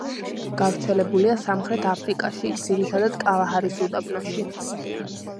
გავრცელებულია სამხრეთ აფრიკაში, ძირითადად კალაჰარის უდაბნოში.